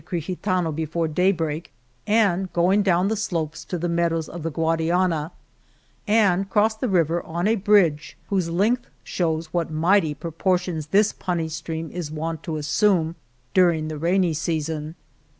^ Crijitano before daybreak and going down the slopes to the meadows of the Guadi ana, and cross the river on a bridge whose length shows what mighty proportions this puny stream is wont to assume during the rainy season.